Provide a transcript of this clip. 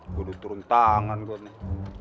gue udah turun tangan kok nih